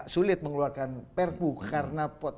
sulit mengeluarkan perku karena